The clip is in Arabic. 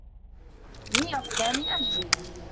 هي هنا من أجلي.